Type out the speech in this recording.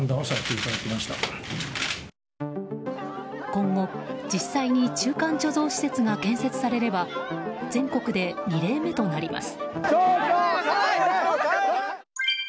今後、実際に中間貯蔵施設が建設されれば全国で２例目となります。